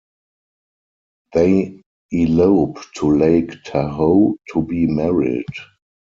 They elope to Lake Tahoe to be married.